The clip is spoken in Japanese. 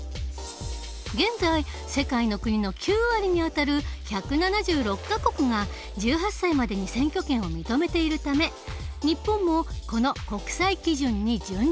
現在世界の国の９割にあたる１７６か国が１８歳までに選挙権を認めているため日本もこの国際基準に準じたい。